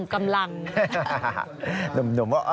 บำรุงกำลัง